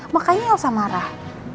makanya yang usah marah